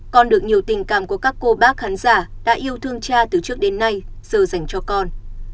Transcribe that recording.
con được nhiều tình cảm của các cô bác khán giả đã yêu thương cha từ trước đến nay giờ dành cho con